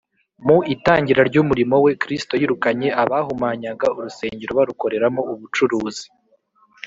mu itangira ry’umurimo we, kristo yirukanye abahumanyaga urusengero barukoreramo ubucuruzi